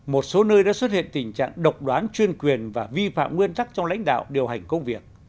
một số nơi đã xuất hiện tình trạng độc đoán chuyên quyền và vi phạm nguyên tắc trong lãnh đạo điều hành công việc